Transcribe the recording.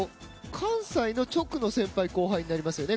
関西の直の先輩後輩になりますよね